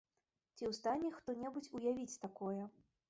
Ці ў стане хто-небудзь уявіць такое?!